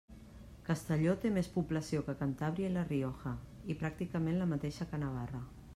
Castelló té més població que Cantàbria i La Rioja i pràcticament la mateixa que Navarra.